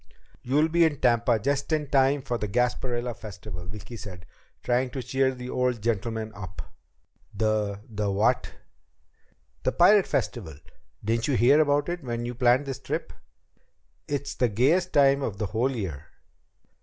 "You'll be in Tampa just in time for the Gasparilla Festival," Vicki said, trying to cheer the old gentleman up. "The the what?" "The Pirate Festival. Didn't you hear about it when you planned this trip? It's the gayest time of the whole year."